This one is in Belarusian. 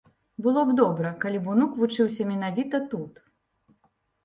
Было б добра, калі б унук вучыўся менавіта тут.